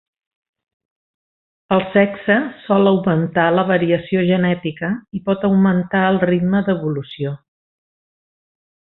El sexe sol augmentar la variació genètica i pot augmentar el ritme d'evolució.